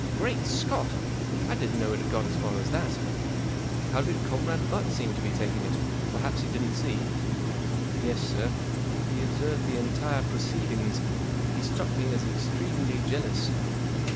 " Great Scott ! I didn't know it had got as far as that. How did Comrade Butt seem to be taking it ? Or perhaps he didn't see ?" 44 Yes, sir, he observed the entire proceed¬ ings. He struck me as extremely jealous."